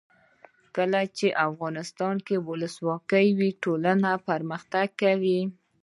کله چې افغانستان کې ولسواکي وي ټولنه پرمختګ کوي.